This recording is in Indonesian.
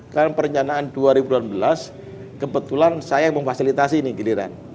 karena perencanaan dua ribu sembilan belas kebetulan saya yang memfasilitasi ini giliran